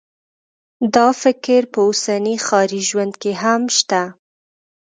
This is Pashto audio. دا فکر په اوسني ښاري ژوند کې هم شته